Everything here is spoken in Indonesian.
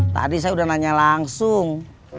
tadi saya sudah nanya langsung